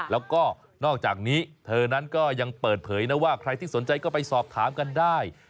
แล้วก็นอกจากนี้เธอนั้นก็ยังเปิดเผยนะว่าใครที่สนใจก็ไปสอบถามกันได้